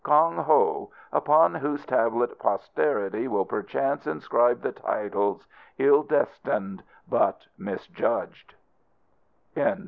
KONG HO. (Upon whose tablet posterity will perchance inscribe the titles, "Ill destined but Misjudged.")